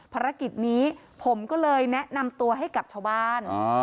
ภารกิจนี้ผมก็เลยแนะนำตัวให้กับชาวบ้าน